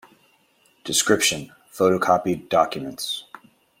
Description: photocopied documents.